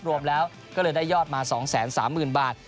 รวมแล้วก็เลยได้ยอดมา๒๓๐๐๐บาท